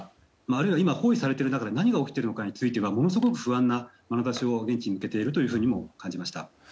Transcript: あるいは今、包囲されている中で何が起きているのかものすごく不安なまなざしを現地に向けているとも感じました。